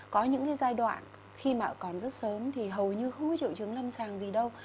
có những cái giai đoạn khi mà còn rất sớm thì hầu như không có triệu chứng lâm sàng gì đâu